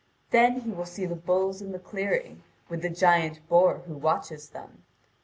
Then he will see the bulls in the clearing, with the giant boor who watches them.